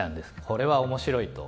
これは面白いと。